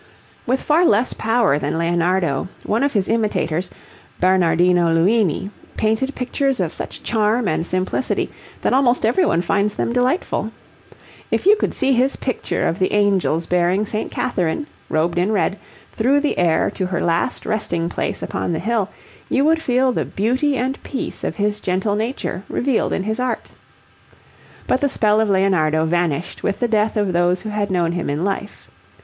With far less power than Leonardo, one of his imitators, Bernardino Luini, painted pictures of such charm and simplicity that almost everyone finds them delightful. If you could see his picture of the angels bearing St. Catherine, robed in red, through the air to her last resting place upon the hill, you would feel the beauty and peace of his gentle nature revealed in his art. But the spell of Leonardo vanished with the death of those who had known him in life.